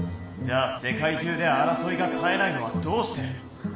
じゃあ世界中であらそいがたえないのはどうして？